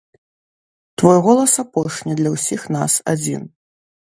Твой голас апошні для ўсіх нас адзін.